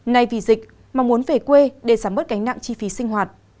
nay vì dịch mà muốn về quê để giảm bớt gánh nặng chi phí sinh hoạt